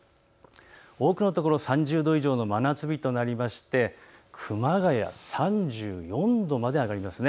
多くの所、３０度以上の真夏日となりまして熊谷３４度まで上がります。